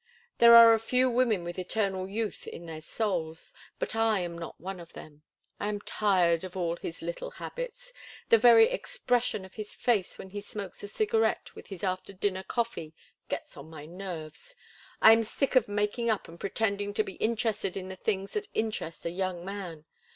There are a few women with eternal youth in their souls, but I am not one of them. I am tired of all his little habits; the very expression of his face when he smokes a cigarette with his after dinner coffee gets on my nerves. I am sick of making up and pretending to be interested in the things that interest a young man.